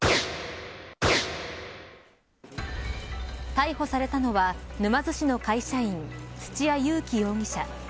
逮捕されたのは、沼津市の会社員土屋勇貴容疑者。